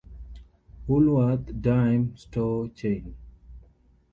Woolworth dime store chain.